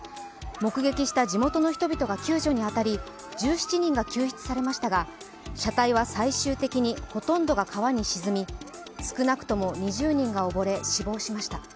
目撃した地元の人々が救助に当たり１７人が救出されましたが車体は最終的にほとんどが川に沈み、少なくとも２０人が溺れ死亡しました。